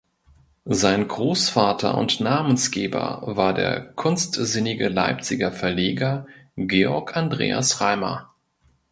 Sein Großvater und Namensgeber war der kunstsinnige Leipziger Verleger Georg Andreas Reimer.